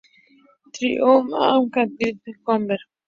Trump agreement is not necessary, however.